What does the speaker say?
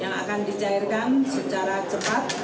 yang akan dicairkan secara cepat